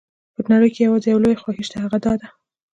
په نړۍ کې یوازې یوه لویه خوښي شته او هغه دا ده.